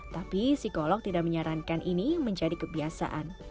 tapi psikolog tidak menyarankan ini menjadi kebiasaan